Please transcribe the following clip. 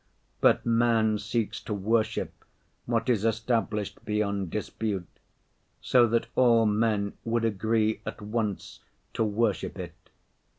But man seeks to worship what is established beyond dispute, so that all men would agree at once to worship it.